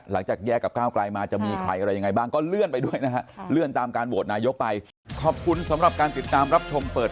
หลังจากแยกกับก้าวกลายมาจะมีใครอะไรยังไงบ้าง